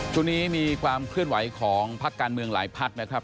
ช่วงนี้มีความเคลื่อนไหวของพักการเมืองหลายพักนะครับ